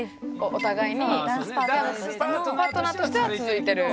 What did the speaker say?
お互いにダンスパートナーとしては続いてる。